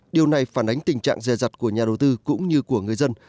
điều này phản ánh tình trạng dè dặt của nhà đầu tư cũng như của người dân